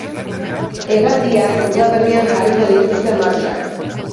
Hegaldiak udaberrian jarriko dituzte martxan.